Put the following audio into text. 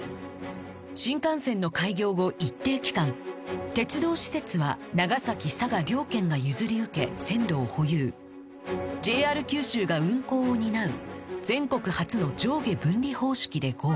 新幹線の開業後一定期間鉄道施設は長崎佐賀両県が譲り受け線路を保有 ＪＲ 九州が運行を担う全国初の上下分離方式で合意